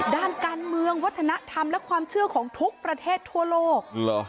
ด้านการเมืองวัฒนธรรมและความเชื่อของทุกประเทศทั่วโลก